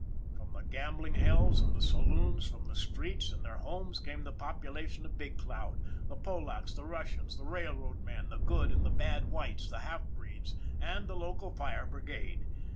From the gambling hells and the saloons, from the streets and their homes came the population of Big Cloud, the Polacks, the Russians, the railroad men, the good and the bad whites, the half breeds and the local fire brigade.